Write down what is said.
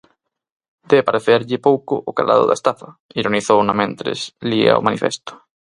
"Debe parecerlle pouco o calado da estafa", ironizou namentres lía o manifesto.